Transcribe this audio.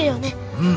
うん！